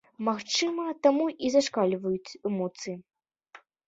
Магчыма таму і зашкальваюць эмоцыі?